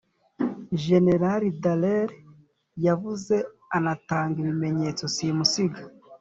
jenerali dallaire yavuze anatanga ibimenyetso simusiga